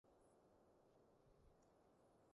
臘腸狗